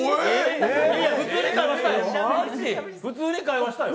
普通に会話したよ。